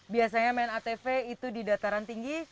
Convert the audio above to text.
biasanya main atv itu di dataran tinggi